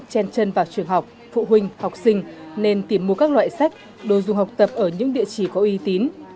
chen chân vào trường học phụ huynh học sinh nên tìm mua các loại sách đồ dùng học tập ở những địa chỉ có uy tín